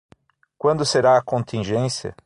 Quando será a contingência?